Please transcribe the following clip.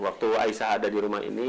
waktu aisah ada di rumah ini